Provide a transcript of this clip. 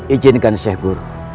ijinkan syekh guru